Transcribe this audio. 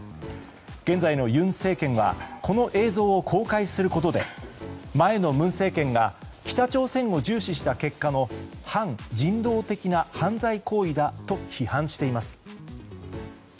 現在の尹政権はこの映像を公開することで前の文政権が北朝鮮を重視した結果の反人道的な犯罪行為だと批判しています。